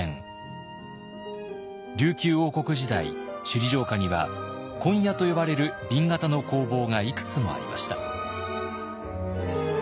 琉球王国時代首里城下には紺屋と呼ばれる紅型の工房がいくつもありました。